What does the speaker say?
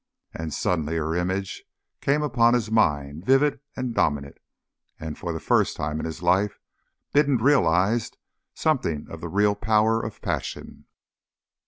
And suddenly her image came upon his mind vivid and dominant, and for the first time in his life Bindon realised something of the real power of passion.